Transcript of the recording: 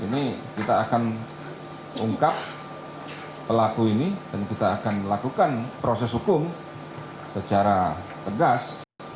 ini kita akan ungkap pelaku ini dan kita akan lakukan proses hukum secara tegas